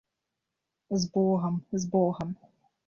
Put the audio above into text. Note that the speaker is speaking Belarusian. З богам, з богам!